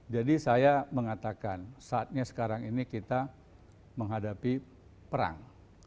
jadi saya mengatakan saatnya sekarang ini kita menghadapi perang